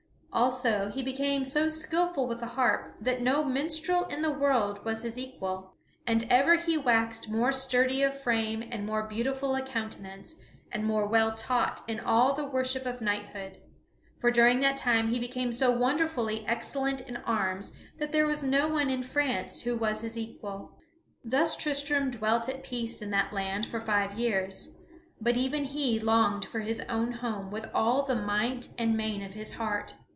Also he became so skilful with the harp that no minstrel in the world was his equal. And ever he waxed more sturdy of frame and more beautiful of countenance, and more well taught in all the worship of knighthood. For during that time he became so wonderfully excellent in arms that there was no one in France who was his equal. Thus Tristram dwelt at peace in that land for five years, but even he longed for his own home with all the might and main of his heart.